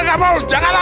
gue kita marah